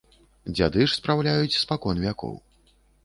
Дзяды ж спраўляюць спакон вякоў.